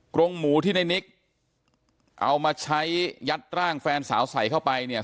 กรงหมูที่ในนิกเอามาใช้ยัดร่างแฟนสาวใส่เข้าไปเนี่ย